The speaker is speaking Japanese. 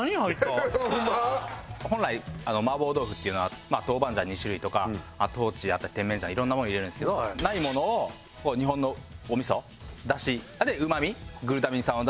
本来麻婆豆腐っていうのは豆板醤２種類とか豆だったり甜麺醤いろんなものを入れるんですけどないものを日本のお味噌ダシあるいはうまみグルタミン酸を出して。